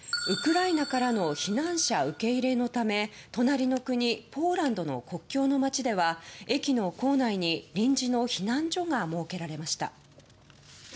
ウクライナからの避難者受け入れのため隣の国ポーランドの国境の町では駅の構内に臨時の避難所が設けられました。